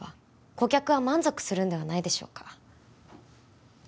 顧客は満足するんではないでしょうか